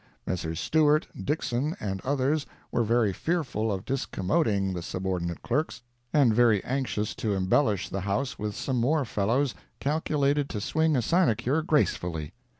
Messrs. Stewart, Dixson and others were very fearful of discommoding the subordinate clerks, and very anxious to embellish the House with some more fellows calculated to swing a sinecure gracefully.